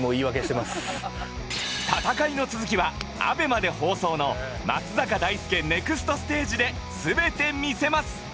戦いの続きはアベマで放送の『松坂大輔ネクストステージ』で全て見せます